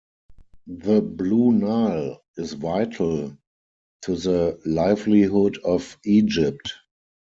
The Blue Nile is vital to the livelihood of Egypt.